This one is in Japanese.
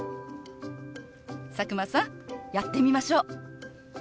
佐久間さんやってみましょう。